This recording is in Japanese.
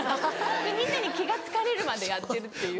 でみんなに気が付かれるまでやってるっていう。